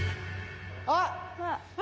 あっ。